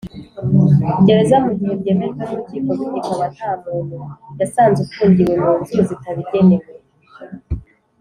Gereza mu gihe byemejwe n urukiko Bityo ikaba nta muntu yasanze ufungiwe mu nzu zitabigenewe